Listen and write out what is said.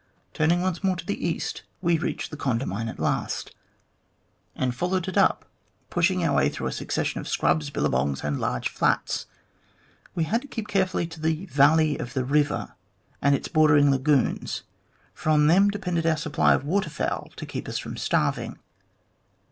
Turning once more to the east, we reached the Condamine at last, and followed it up, pushing our way through a succession of scrubs, billabongs, and large flats. We had to keep carefully to the valley of the river and its bordering lagoons, for on them depended our supply of water fowl to keep us from starving.